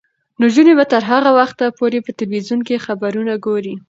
نجونې به تر هغه وخته پورې په تلویزیون کې خبرونه ګوري.